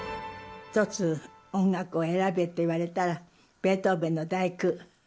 １つ、音楽を選べって言われたら、ベートーヴェンの第九。